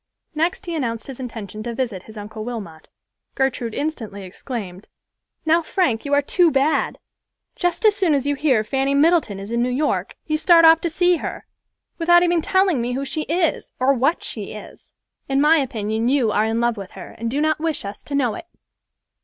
Next he announced his intention to visit his Uncle Wilmot. Gertrude instantly exclaimed, "Now, Frank, you are too bad. Just as soon as you hear Fanny Middleton is in New York, you start off to see her, without even telling me who she is, or what she is. In my opinion you are in love with her, and do not wish us to know it."